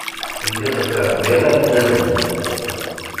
Lliɣ ttɛebbiɣ alzazen.